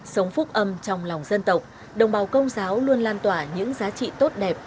sống phúc âm trong lòng dân tộc đồng bào công giáo luôn lan tỏa những giá trị tốt đẹp